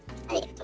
はい。